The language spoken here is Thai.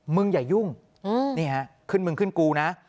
มึงอย่ายุ่งนี่ฮะขึ้นมึงขึ้นกูนะ